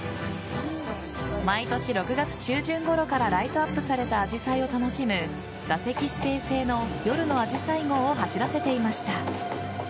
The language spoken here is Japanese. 毎年６月中旬ごろからライトアップされたアジサイを楽しむ座席指定制の夜のあじさい号を走らせていました。